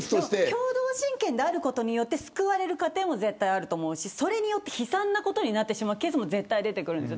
共同親権であることによって救われる家庭もあると思うし悲惨なことになってしまうケースも絶対出てくる。